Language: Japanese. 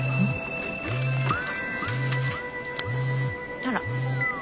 あら。